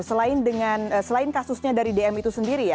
selain kasusnya dari dm itu sendiri ya